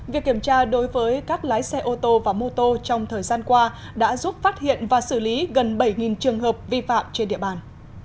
việc kiểm tra đối với các lái xe ô tô và mô tô trong thời gian qua đã giúp phát hiện và xử lý gần bảy trường hợp vi phạm trên địa bàn